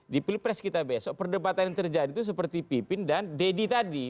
di pilpres kita besok perdebatan yang terjadi itu seperti pipin dan deddy tadi